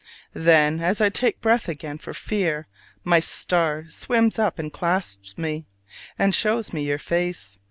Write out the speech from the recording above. Then, as I take breath again for fear, my star swims up and clasps me, and shows me your face.